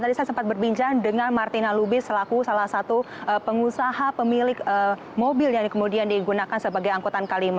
tadi saya sempat berbincang dengan martina lubis selaku salah satu pengusaha pemilik mobil yang kemudian digunakan sebagai angkutan k lima